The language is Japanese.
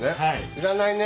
いらないね。